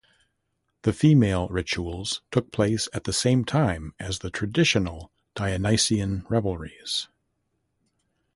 The female rituals took place at the same time as the traditional Dionysian revelries.